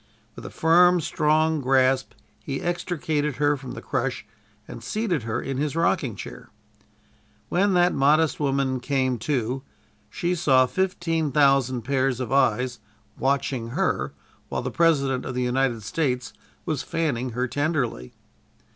With a firm, strong grasp he extricated her from the crush and seated her in his rocking chair. When that modest woman "came to," she saw fifteen thousand pairs of eyes watching her while the President of the United States was fanning her tenderly.